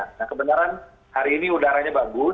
nah kebenaran hari ini udaranya bagus